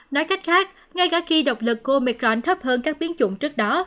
nói cách khác ngay cả khi độc lực của omicron thấp hơn các biến chủng trước đó